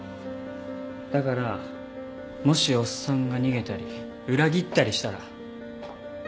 だからもしおっさんが逃げたり裏切ったりしたら。